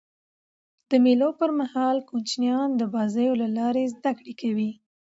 د مېلو پر مهال کوچنيان د بازيو له لاري زدهکړه کوي.